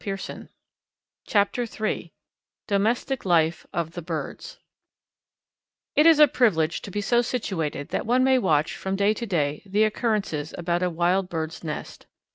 CHAPTER III DOMESTIC LIFE OF THE BIRDS It is a privilege to be so situated that one may watch from day to day the occurrences about a wild bird's nest.